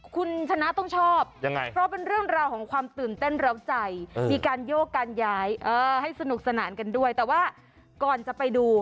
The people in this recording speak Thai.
คุณชนะต้องชอบยังไงเพราะเป็นเรื่องราวของความตื่นเต้นร้าวใจมีการโยกการย้ายให้สนุกสนานกันด้วยแต่ว่าก่อนจะไปดู